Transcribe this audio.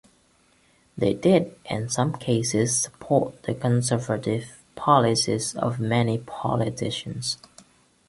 They did, in some cases, support the conservative policies of many politicians.